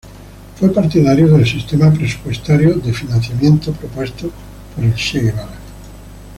Fue partidario del sistema presupuestario de financiamiento propuesto por el Che Guevara.